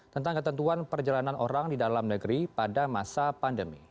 tentang ketentuan perjalanan orang di dalam negeri pada masa pandemi